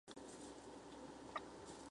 书展成为暑期的香港阅读周。